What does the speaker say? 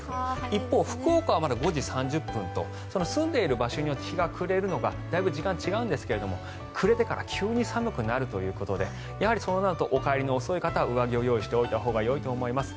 一方、福岡はまだ５時３０分と住んでいる場所によって日が暮れるのがだいぶ時間が違うんですが暮れてから急に寒くなるということでやはりそうなるとお帰りの遅い方は上着を用意しておいたほうがよいと思います。